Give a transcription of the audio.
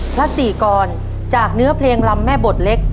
พระศรีกรจากเนื้อเพลงลำแม่บทเล็ก